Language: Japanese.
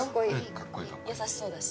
優しそうだし。